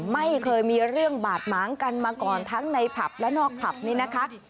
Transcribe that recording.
ไม่เคยมีเรื่องบาดหมางกันมาก่อนทั้งในผับและนอกผับนี้นะคะ